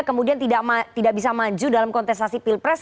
kemudian tidak bisa maju dalam kontestasi pilpres